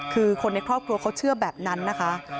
คือคนในครอบครัวเขาเชื่อแบบนั้นนะคะ